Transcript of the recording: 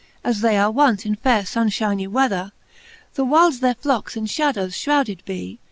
As they are wont in faire funfhynie weather, The whiles their flockes in fhadowes fhrouded bee.